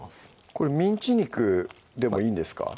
これミンチ肉でもいいんですか？